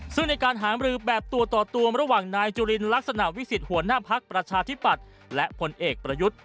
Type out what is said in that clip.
ซึ่งในการหามรือแบบตัวต่อตัวระหว่างนายจุลินลักษณะวิสิทธิหัวหน้าพักประชาธิปัตย์และผลเอกประยุทธ์